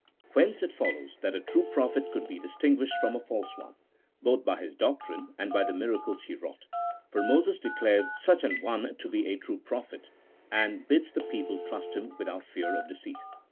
"Whence it follows that a true prophet could be distinguished from a false one, both by his doctrine and by the miracles he wrought, for Moses declares such an one to be a true prophet, and bids the people trust him without fear of deceit.